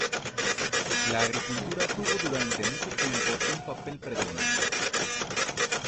La agricultura tuvo durante mucho tiempo un papel predominante.